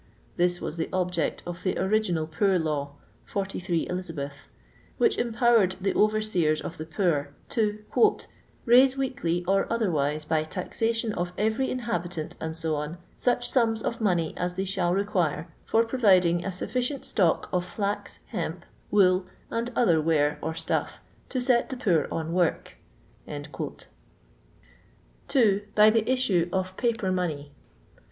This was the object of the origuial Poor Law (43 Blia.), which em powered the overseers of the poor to "raise weekly, or otherwise, by taxation of every inhabitant, &c., such sums of money as they shall require for providing a sufficient stock of flax, hemp, wool, and other ware or stuff, to set the poor on work." 2. By the issue of paper money.